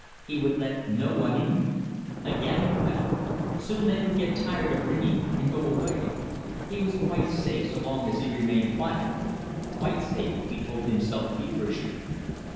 He would let no one in. Again the bell! Soon they would get tired of ringing and go away. He was quite safe so long as he remained quiet. Quite safe, he told himself feverishly.